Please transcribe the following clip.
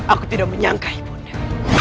aku tidak menyangka ibu nda